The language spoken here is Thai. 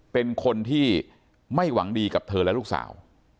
เป็นคนที่ไม่หวังดีกับเธอและลูกสาว